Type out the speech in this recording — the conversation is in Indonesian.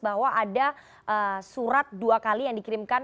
bahwa ada surat dua kali yang dikirimkan